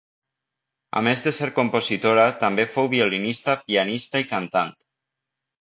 A més de ser compositora, també fou violinista, pianista i cantant.